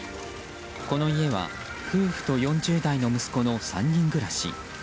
この家は夫婦と４０代の息子の３人暮らし。